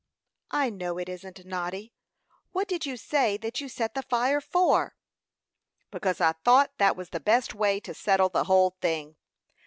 "I know it isn't, Noddy. What did you say that you set the fire for?" "Because I thought that was the best way to settle the whole thing.